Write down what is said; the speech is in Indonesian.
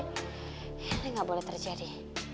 ini gak boleh terjadi